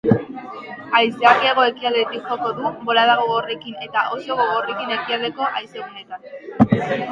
Haizeak hego-ekialdetik joko du, bolada gogorrekin eta oso gogorrekin ekialdeko haizeguneetan.